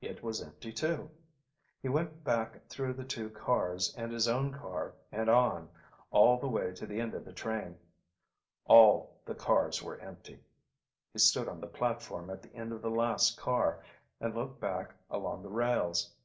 It was empty too. He went back through the two cars and his own car and on, all the way to the end of the train. All the cars were empty. He stood on the platform at the end of the last car, and looked back along the rails.